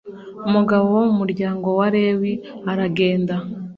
umugabo wo mu muryango wa lewi aragenda